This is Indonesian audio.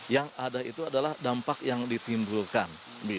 yang ada itu adalah dampak yang ditimbulkan